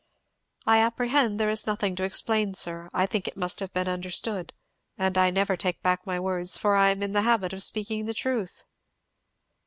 "I apprehend there is nothing to explain, sir, I think I must have been understood; and I never take back my words, for I am in the habit of speaking the truth."